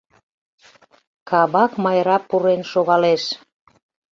Кабак Майра пурен шогалеш.